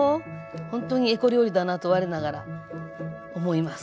ほんとにエコ料理だなと我ながら思います。